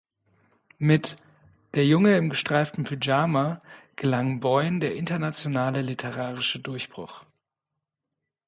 Mit "Der Junge im gestreiften Pyjama" gelang Boyne der internationale literarische Durchbruch.